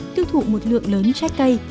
tiêu thụ một lượng lớn trái cây